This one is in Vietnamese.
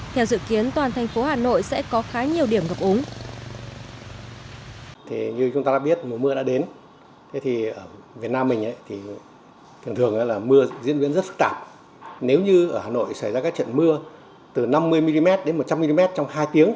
theo dự kiến toàn thành phố hà nội sẽ có khá nhiều điểm gặp ứng